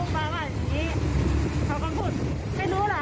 ป้าว่าอย่างนี้เขาก็พูดไม่รู้ล่ะ